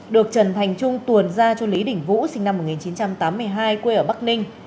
được trần thành trung tuồn ra cho lý đỉnh vũ sinh năm một nghìn chín trăm tám mươi hai quê ở bắc ninh